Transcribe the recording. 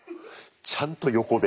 ちゃんと横で。